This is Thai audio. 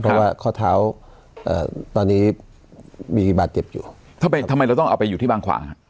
เพราะว่าข้อเท้าตอนนี้มีบาดเจ็บอยู่ทำไมทำไมเราต้องเอาไปอยู่ที่บางขวางฮะ